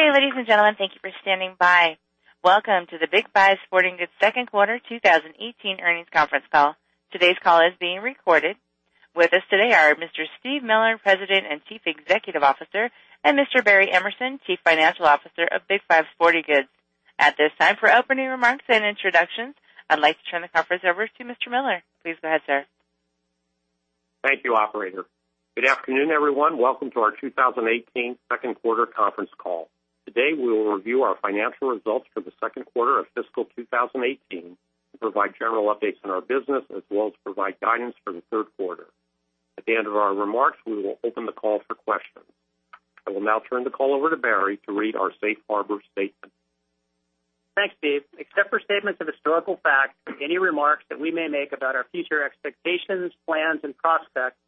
Good day, ladies and gentlemen. Thank you for standing by. Welcome to the Big 5 Sporting Goods second quarter 2018 earnings conference call. Today's call is being recorded. With us today are Mr. Steve Miller, President and Chief Executive Officer, and Mr. Barry Emerson, Chief Financial Officer of Big 5 Sporting Goods. At this time, for opening remarks and introductions, I'd like to turn the conference over to Mr. Miller. Please go ahead, sir. Thank you, operator. Good afternoon, everyone. Welcome to our 2018 second quarter conference call. Today, we will review our financial results for the second quarter of fiscal 2018 and provide general updates on our business as well as provide guidance for the third quarter. At the end of our remarks, we will open the call for questions. I will now turn the call over to Barry to read our safe harbor statement. Thanks, Steve. Except for statements of historical fact, any remarks that we may make about our future expectations, plans, and prospects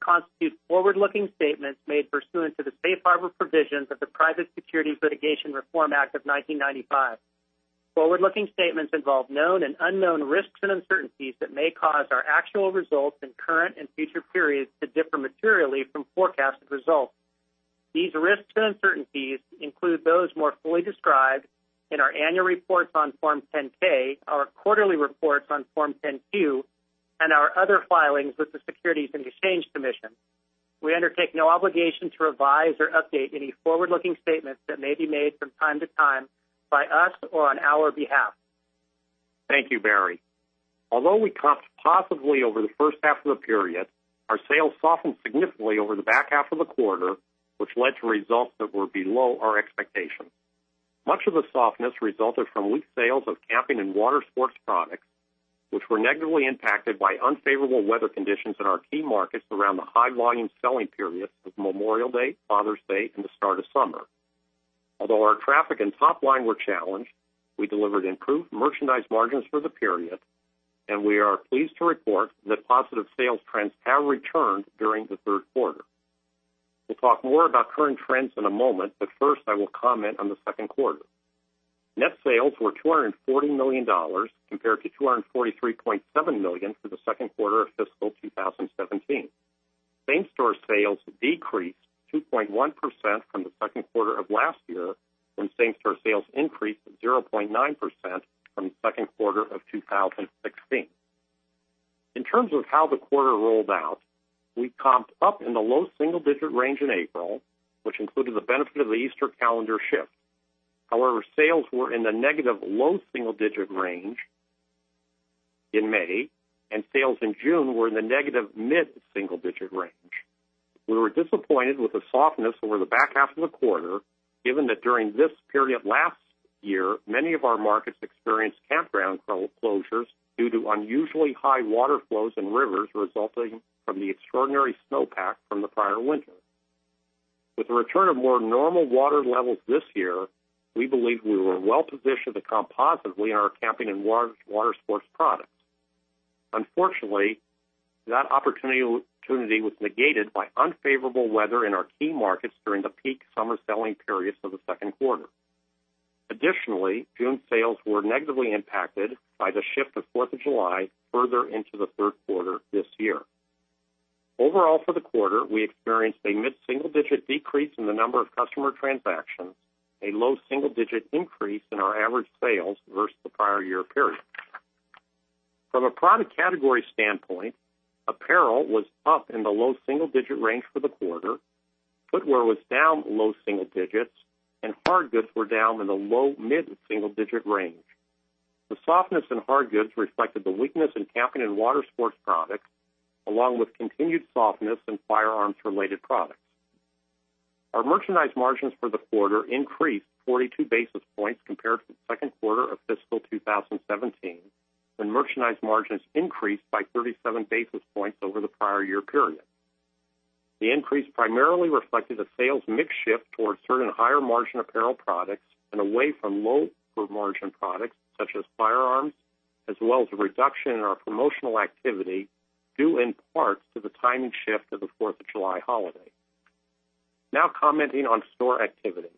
constitute forward-looking statements made pursuant to the safe harbor provisions of the Private Securities Litigation Reform Act of 1995. Forward-looking statements involve known and unknown risks and uncertainties that may cause our actual results in current and future periods to differ materially from forecasted results. These risks and uncertainties include those more fully described in our annual reports on Form 10-K, our quarterly reports on Form 10-Q, and our other filings with the Securities and Exchange Commission. We undertake no obligation to revise or update any forward-looking statements that may be made from time to time by us or on our behalf. Thank you, Barry. Although we comped positively over the first half of the period, our sales softened significantly over the back half of the quarter, which led to results that were below our expectations. Much of the softness resulted from weak sales of camping and water sports products, which were negatively impacted by unfavorable weather conditions in our key markets around the high-volume selling periods of Memorial Day, Father's Day, and the start of summer. Although our traffic and top line were challenged, we delivered improved merchandise margins for the period, and we are pleased to report that positive sales trends have returned during the third quarter. We'll talk more about current trends in a moment, but first, I will comment on the second quarter. Net sales were $240 million compared to $243.7 million for the second quarter of fiscal 2017. Same-store sales decreased 2.1% from the second quarter of last year when same-store sales increased 0.9% from the second quarter of 2016. In terms of how the quarter rolled out, we comped up in the low single-digit range in April, which included the benefit of the Easter calendar shift. However, sales were in the negative low single-digit range in May, and sales in June were in the negative mid-single-digit range. We were disappointed with the softness over the back half of the quarter, given that during this period last year, many of our markets experienced campground closures due to unusually high water flows in rivers resulting from the extraordinary snowpack from the prior winter. With the return of more normal water levels this year, we believe we were well-positioned to comp positively on our camping and water sports products. Unfortunately, that opportunity was negated by unfavorable weather in our key markets during the peak summer selling periods of the second quarter. Additionally, June sales were negatively impacted by the shift of Fourth of July further into the third quarter this year. Overall, for the quarter, we experienced a mid-single-digit decrease in the number of customer transactions, a low single-digit increase in our average sales versus the prior year period. From a product category standpoint, apparel was up in the low single-digit range for the quarter. Footwear was down low single digits, and hard goods were down in the low mid-single-digit range. The softness in hard goods reflected the weakness in camping and water sports products, along with continued softness in firearms-related products. Our merchandise margins for the quarter increased 42 basis points compared to the second quarter of fiscal 2017, when merchandise margins increased by 37 basis points over the prior year period. The increase primarily reflected a sales mix shift towards certain higher-margin apparel products and away from low-margin products such as firearms, as well as a reduction in our promotional activity, due in part to the timing shift of the Fourth of July holiday. Now commenting on store activity.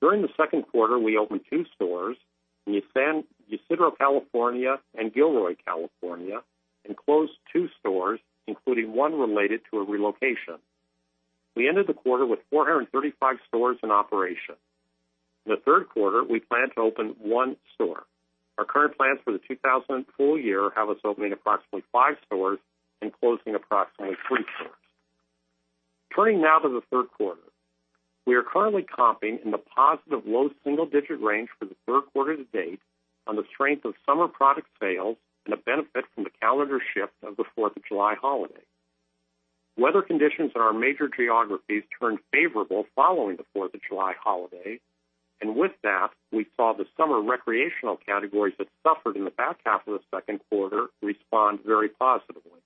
During the second quarter, we opened two stores in San Ysidro, California and Gilroy, California, and closed two stores, including one related to a relocation. We ended the quarter with 435 stores in operation. In the third quarter, we plan to open one store. Our current plans for the [2018] full year have us opening approximately five stores and closing approximately three stores. Turning now to the third quarter. We are currently comping in the positive low single-digit range for the third quarter to date on the strength of summer product sales and the benefit from the calendar shift of the Fourth of July holiday. Weather conditions in our major geographies turned favorable following the Fourth of July holiday, and with that, we saw the summer recreational categories that suffered in the back half of the second quarter respond very positively.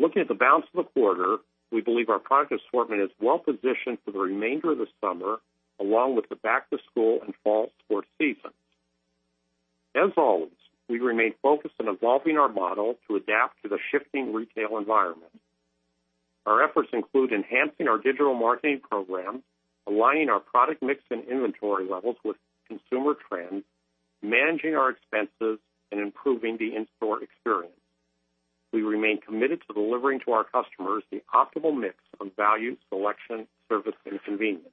Looking at the balance of the quarter, we believe our product assortment is well positioned for the remainder of the summer, along with the back-to-school and fall sports seasons. As always, we remain focused on evolving our model to adapt to the shifting retail environment. Our efforts include enhancing our digital marketing program, aligning our product mix and inventory levels with consumer trends, managing our expenses, and improving the in-store experience. We remain committed to delivering to our customers the optimal mix of value, selection, service, and convenience.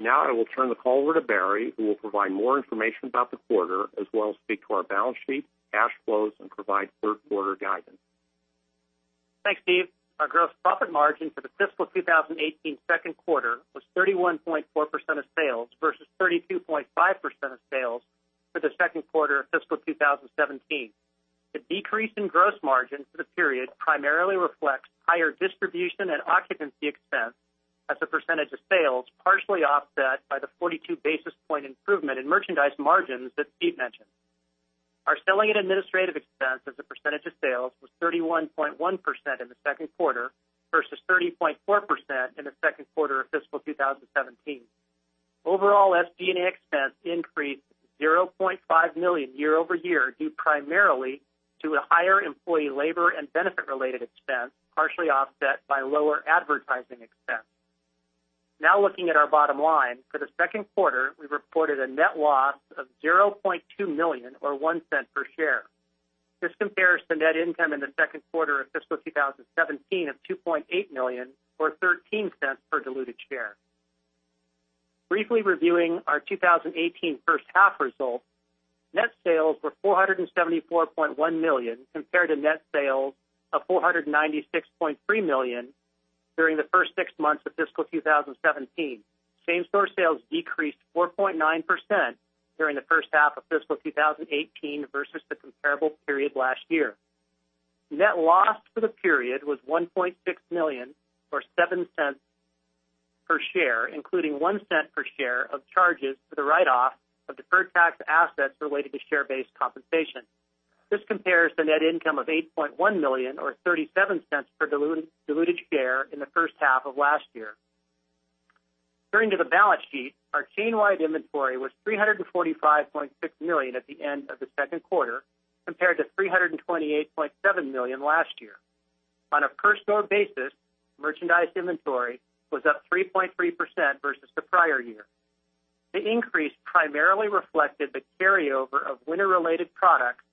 Now I will turn the call over to Barry, who will provide more information about the quarter as well as speak to our balance sheet, cash flows, and provide third quarter guidance. Thanks, Steve. Our gross profit margin for the fiscal 2018 second quarter was 31.4% of sales versus 32.5% of sales for the second quarter of fiscal 2017. The decrease in gross margin for the period primarily reflects higher distribution and occupancy expense as a percentage of sales, partially offset by the 42 basis point improvement in merchandise margins that Steve mentioned. Our selling and administrative expense as a percentage of sales was 31.1% in the second quarter versus 30.4% in the second quarter of fiscal 2017. Overall, SG&A expense increased $0.5 million year-over-year, due primarily to a higher employee labor and benefit-related expense, partially offset by lower advertising expense. Now looking at our bottom line. For the second quarter, we reported a net loss of $0.2 million or $0.01 per share. This compares to net income in the second quarter of fiscal 2017 of $2.8 million or $0.13 per diluted share. Briefly reviewing our 2018 first half results, net sales were $474.1 million compared to net sales of $496.3 million during the first six months of fiscal 2017. Same-store sales decreased 4.9% during the first half of fiscal 2018 versus the comparable period last year. Net loss for the period was $1.6 million or $0.07 per share, including $0.01 per share of charges for the write-off of deferred tax assets related to share-based compensation. This compares to net income of $8.1 million or $0.37 per diluted share in the first half of last year. Turning to the balance sheet, our chain-wide inventory was $345.6 million at the end of the second quarter compared to $328.7 million last year. On a per store basis, merchandise inventory was up 3.3% versus the prior year. The increase primarily reflected the carryover of winter-related products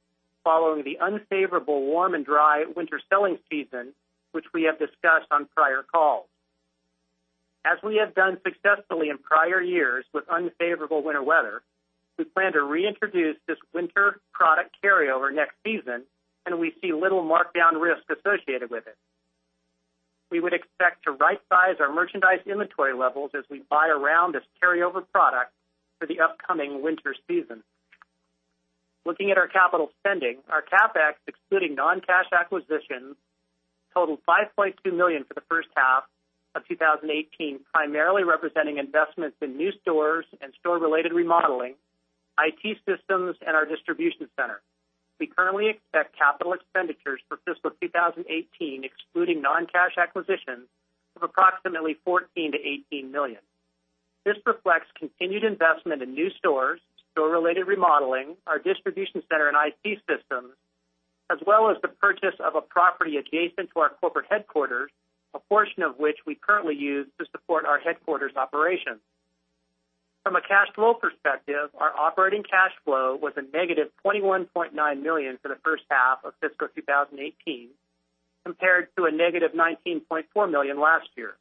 following the unfavorable warm and dry winter selling season, which we have discussed on prior calls. As we have done successfully in prior years with unfavorable winter weather, we plan to reintroduce this winter product carryover next season, and we see little markdown risk associated with it. We would expect to rightsize our merchandise inventory levels as we buy around this carryover product for the upcoming winter season. Looking at our capital spending, our CapEx, excluding non-cash acquisitions, totaled $5.2 million for the first half of 2018, primarily representing investments in new stores and store-related remodeling, IT systems, and our distribution center. We currently expect capital expenditures for fiscal 2018, excluding non-cash acquisitions, of approximately $14 million-$18 million. This reflects continued investment in new stores, store-related remodeling, our distribution center and IT systems, as well as the purchase of a property adjacent to our corporate headquarters, a portion of which we currently use to support our headquarters operations. From a cash flow perspective, our operating cash flow was a -$21.9 million for the first half of fiscal 2018 compared to a -$19.4 million last year.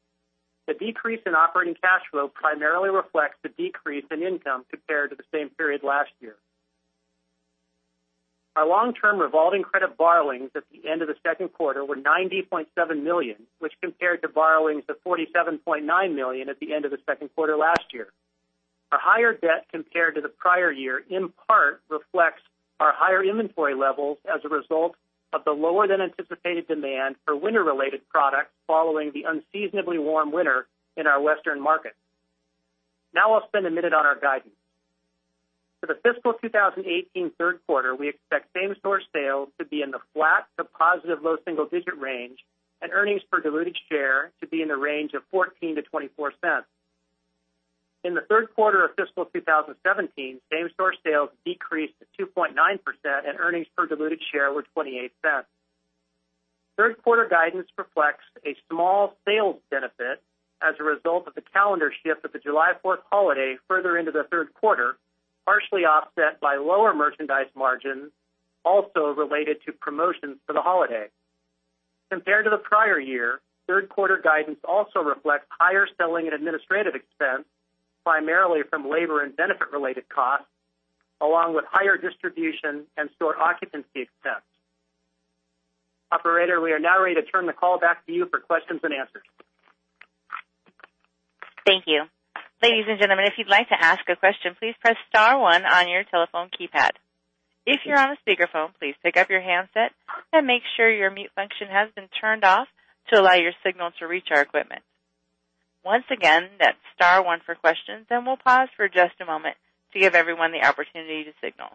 The decrease in operating cash flow primarily reflects the decrease in income compared to the same period last year. Our long-term revolving credit borrowings at the end of the second quarter were $90.7 million, which compared to borrowings of $47.9 million at the end of the second quarter last year. Our higher debt compared to the prior year in part reflects our higher inventory levels as a result of the lower than anticipated demand for winter-related products following the unseasonably warm winter in our western markets. Now I'll spend a minute on our guidance. For the fiscal 2018 third quarter, we expect same-store sales to be in the flat to positive low single-digit range and earnings per diluted share to be in the range of $0.14-$0.24. In the third quarter of fiscal 2017, same-store sales decreased 2.9% and earnings per diluted share were $0.28. Third quarter guidance reflects a small sales benefit as a result of the calendar shift of the Fourth of July holiday further into the third quarter, partially offset by lower merchandise margins also related to promotions for the holiday. Compared to the prior year, third quarter guidance also reflects higher selling and administrative expense, primarily from labor and benefit-related costs, along with higher distribution and store occupancy expense. Operator, we are now ready to turn the call back to you for questions and answers. Thank you. Ladies and gentlemen, if you'd like to ask a question, please press star one on your telephone keypad. If you're on a speakerphone, please pick up your handset and make sure your mute function has been turned off to allow your signal to reach our equipment. Once again, that's star one for questions. We'll pause for just a moment to give everyone the opportunity to signal.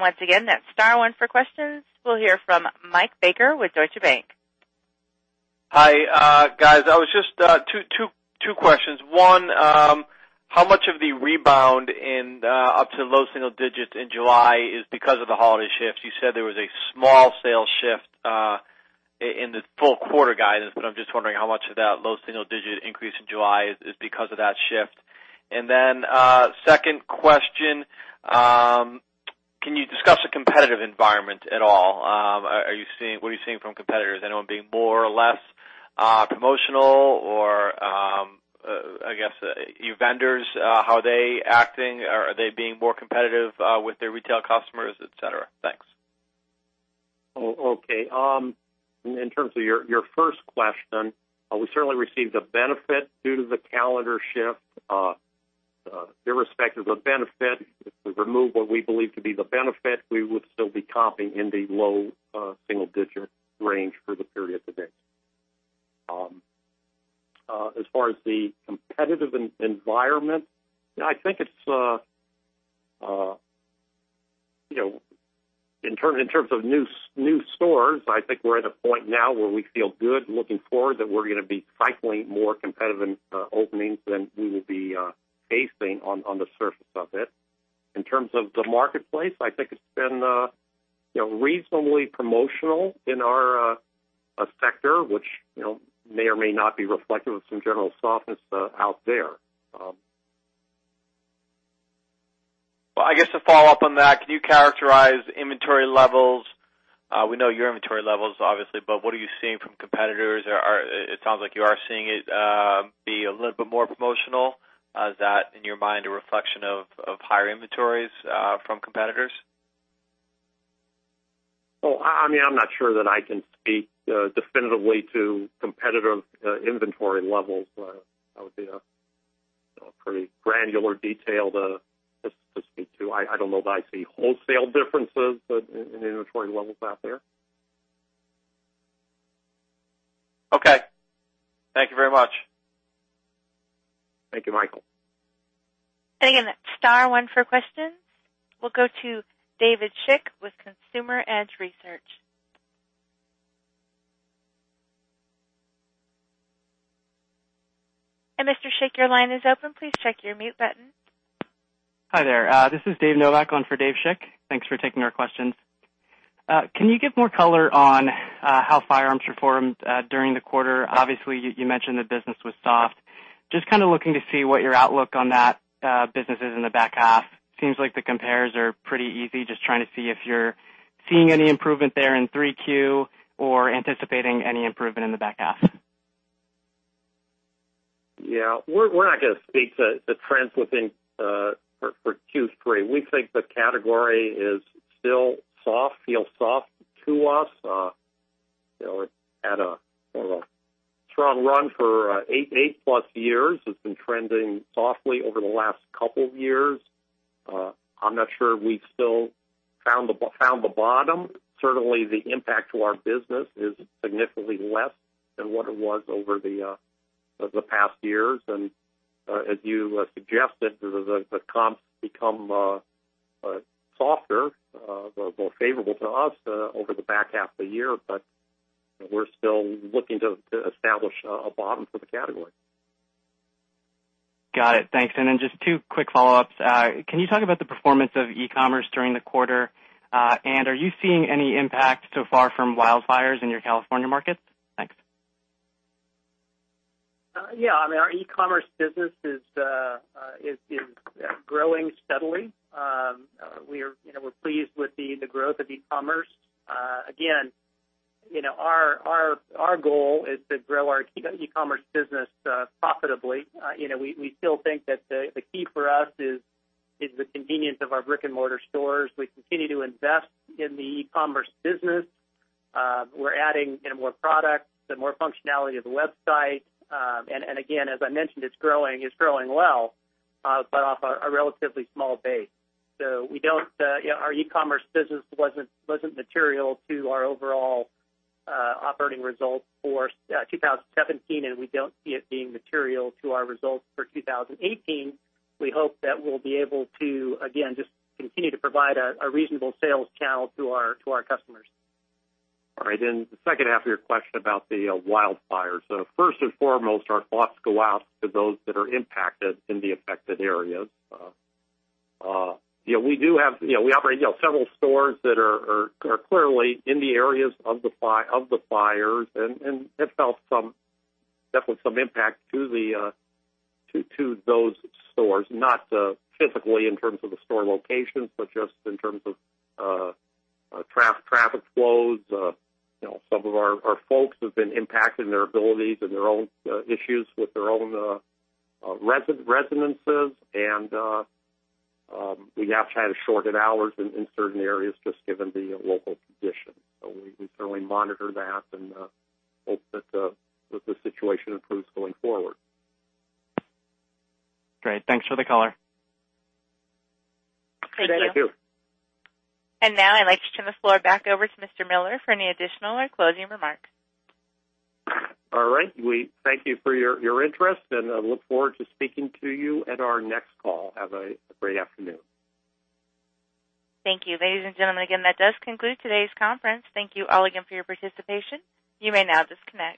Once again, that's star one for questions. We'll hear from Mike Baker with Deutsche Bank. Hi guys. Two questions. One, how much of the rebound up to low single-digits in July is because of the holiday shift? You said there was a small sales shift in the full quarter guidance, but I'm just wondering how much of that low single-digit increase in July is because of that shift. Second question, can you discuss the competitive environment at all? What are you seeing from competitors? Anyone being more or less promotional or, I guess, your vendors, how are they acting? Are they being more competitive with their retail customers, et cetera? Thanks. Okay. In terms of your first question, we certainly received a benefit due to the calendar shift. Irrespective of benefit, if we remove what we believe to be the benefit, we would still be comping in the low single-digit range for the period to date. As far as the competitive environment, in terms of new stores, I think we're at a point now where we feel good looking forward that we're going to be cycling more competitive openings than we will be facing on the surface of it. In terms of the marketplace, I think it's been reasonably promotional in our sector, which may or may not be reflective of some general softness out there. Well, I guess to follow up on that, can you characterize inventory levels? We know your inventory levels, obviously, but what are you seeing from competitors? It sounds like you are seeing it be a little bit more promotional. Is that, in your mind, a reflection of higher inventories from competitors? Well, I'm not sure that I can speak definitively to competitive inventory levels. That would be a pretty granular detail to speak to. I don't know if I see wholesale differences in inventory levels out there. Okay. Thank you very much. Thank you, Michael. Again, star one for questions. We'll go to David Schick with Consumer Edge Research. Mr. Schick, your line is open. Please check your mute button. Hi there. This is Dave Novak on for Dave Schick. Thanks for taking our questions. Can you give more color on how firearms performed during the quarter? Obviously, you mentioned the business was soft. Just kind of looking to see what your outlook on that business is in the back half. Seems like the compares are pretty easy. Just trying to see if you're seeing any improvement there in 3Q or anticipating any improvement in the back half. Yeah. We're not going to speak to trends within for Q3. We think the category is still soft, feels soft to us. It had a sort of a strong run for eight plus years. It's been trending softly over the last couple of years. I'm not sure we've still found the bottom. Certainly, the impact to our business is significantly less than what it was over the past years. As you suggested, the comps become softer, more favorable to us, over the back half of the year. We're still looking to establish a bottom for the category. Got it. Thanks. Just two quick follow-ups. Can you talk about the performance of e-commerce during the quarter? Are you seeing any impact so far from wildfires in your California markets? Thanks. Yeah. Our e-commerce business is growing steadily. We're pleased with the growth of e-commerce. Again, our goal is to grow our e-commerce business profitably. We still think that the key for us is the convenience of our brick-and-mortar stores. We continue to invest in the e-commerce business. We're adding more products and more functionality to the website. Again, as I mentioned, it's growing well, but off a relatively small base. Our e-commerce business wasn't material to our overall operating results for 2017, and we don't see it being material to our results for 2018. We hope that we'll be able to, again, just continue to provide a reasonable sales channel to our customers. All right. The second half of your question about the wildfires. First and foremost, our thoughts go out to those that are impacted in the affected areas. We operate several stores that are clearly in the areas of the fires, and have felt definitely some impact to those stores, not physically in terms of the store locations, but just in terms of traffic flows. Some of our folks have been impacted in their abilities and their own issues with their own residences. We have had to shorten hours in certain areas just given the local conditions. We certainly monitor that and hope that the situation improves going forward. Great. Thanks for the color. Thank you. Thank you. Now I'd like to turn the floor back over to Mr. Miller for any additional or closing remarks. All right. We thank you for your interest, and look forward to speaking to you at our next call. Have a great afternoon. Thank you. Ladies and gentlemen, again, that does conclude today's conference. Thank you all again for your participation. You may now disconnect.